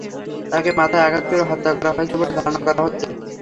তাকে মাথায় আঘাত করে হত্যা করা হয়েছে বলে ধারণা করা হচ্ছে।